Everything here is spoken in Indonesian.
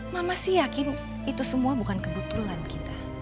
mama sih yakin itu semua bukan kebetulan kita